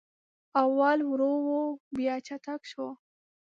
اول ورو و بیا چټک سو